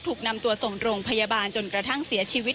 ถูกนำตัวส่งโรงพยาบาลจนกระทั่งเสียชีวิต